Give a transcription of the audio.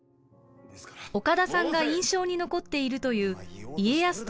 岡田さんが印象に残っているという家康とのシーンです。